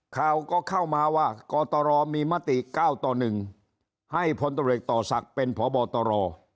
ข่าวก็เข้ามาว่ากตรมีมติ๙ต่อ๑ให้พลตำรวจต่อศักดิ์เป็นพบตร